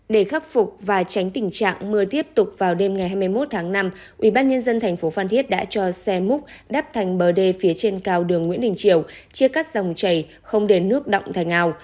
để khắc phục và tránh tình trạng mưa tiếp tục vào đêm ngày hai mươi một tháng năm ubnd tp phan thiết đã cho xe múc đắp thành bờ đê phía trên cao đường nguyễn đình triều chia cắt dòng chảy không để nước động thành ao